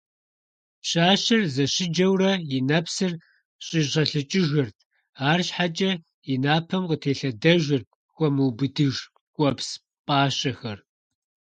Пщащэр зэщыджэурэ и нэпсыр щӀилъэщӀыкӀыжырт, арщхьэкӀэ, и напэм къытелъэдэжырт хуэмыубыдыж ткӀуэпс пӀащэхэр.